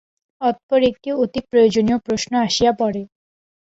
অতঃপর একটি অতিপ্রয়োজনীয় প্রশ্ন আসিয়া পড়ে।